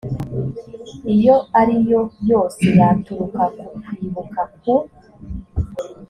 iyo ari yo yose yaturuka ku kwikuba ku